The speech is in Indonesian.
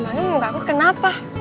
emangnya muka aku kenapa